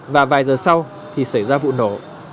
và vài giờ sau thì xảy ra vụ nổ